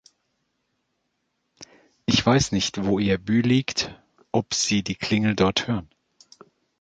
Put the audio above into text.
Ich weiß nicht, wo Ihr Büliegt, ob Sie die Klingel dort hören.